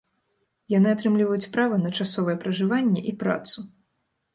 Яны атрымліваюць права на часовае пражыванне і працу.